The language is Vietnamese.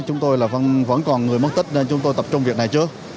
chúng tôi vẫn còn người mất tích nên chúng tôi tập trung việc này chứ